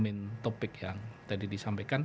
jadi kepada domain topik yang tadi disampaikan